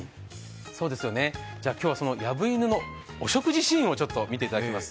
今日はそのヤブイヌのお食事シーンをちょっと見ていきます。